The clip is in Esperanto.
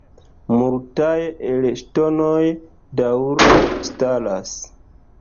Multaj el la ŝtonoj daŭre staras.